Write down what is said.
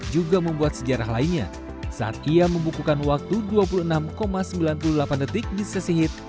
juga membuat sejarah lainnya saat ia membukukan waktu dua puluh enam sembilan puluh delapan detik di sisi hit